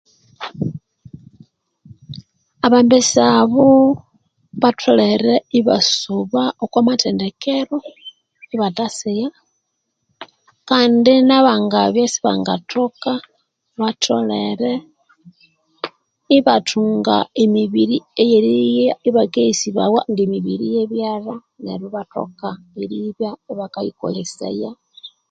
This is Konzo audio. Abambesa abo batholere iba suba okwamathendekero ibathasigha kandi na bangabya sibangathoka batholere iba thunga emibiri eyerigha abakeghesibawa nge mibiri ye byalha neru ibathoka eribya iba kayikolesaya